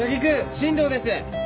新藤です！